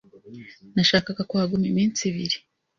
Nashakaga kuhaguma iminsi ibiri.